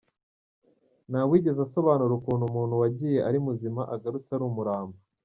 Ntawigeze asobanura ukuntu umuntu wagiye ari muzima agarutse ari umurambo.